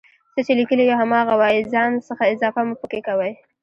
څه چې ليکلي وي هماغه وايئ ځان څخه اضافه مه پکې کوئ